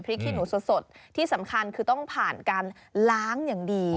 ขี้หนูสดที่สำคัญคือต้องผ่านการล้างอย่างดี